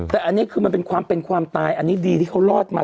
แต่อันนี้คือมันเป็นความเป็นความตายอันนี้ดีที่เขารอดมา